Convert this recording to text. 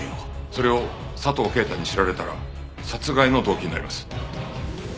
それを佐藤啓太に知られたら殺害の動機になります。